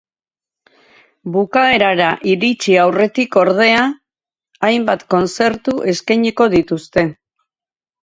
Bukaerara iritsi aurretik, ordea, hainbat kontzertu eskainiko dituzte.